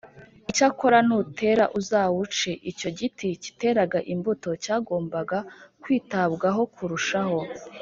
icyakora nutera uzawuce’ icyo giti kiteraga imbuto cyagombaga kwitabwaho kurushaho